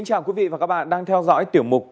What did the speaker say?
cảm ơn các bạn đã theo dõi